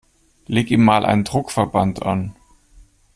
Leg ihm mal einen Druckverband an!